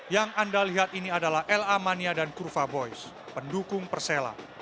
yang anda lihat ini adalah el a mania dan kurva boys pendukung persela